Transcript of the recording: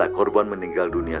data korban meninggal dunia